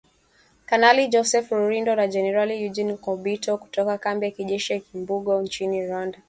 Kanali Joseph Rurindo na Jenerali Eugene Nkubito, kutoka kambi ya kijeshi ya Kibungo nchini Rwanda.